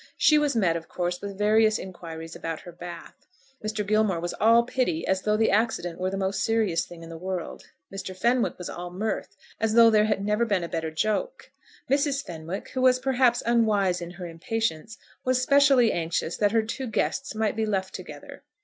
She was met, of course, with various inquiries about her bath. Mr. Gilmore was all pity, as though the accident were the most serious thing in the world. Mr. Fenwick was all mirth, as though there had never been a better joke. Mrs. Fenwick, who was perhaps unwise in her impatience, was specially anxious that her two guests might be left together.